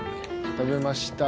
「食べました」